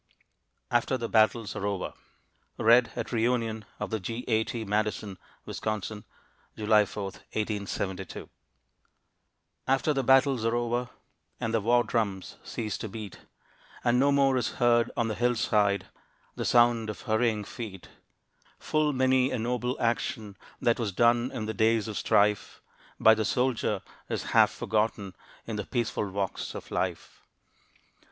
AFTER THE BATTLES ARE OVER. [Read at Re union of the G. A. T., Madison, Wis., July 4, 1872.] After the battles are over, And the war drums cease to beat, And no more is heard on the hillside The sound of hurrying feet, Full many a noble action, That was done in the days of strife, By the soldier is half forgotten, In the peaceful walks of life.